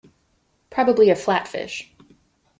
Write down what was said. Probably a flatfish.